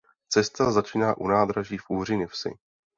Cesta začíná u nádraží v Uhříněvsi.